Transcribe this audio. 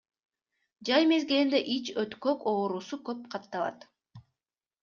Жай мезгилинде ич өткөк оорусу көп катталат.